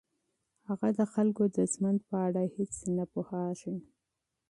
هغه د خلکو د ژوند په اړه هیڅ نه پوهیږي.